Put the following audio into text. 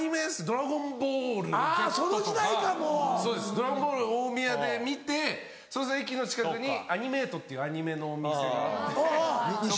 『ドラゴンボール』を大宮で見て駅の近くにアニメイトっていうアニメのお店があって。